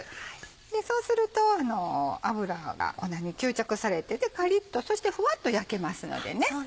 そうすると油が粉に吸着されてカリっとそしてフワっと焼けますので。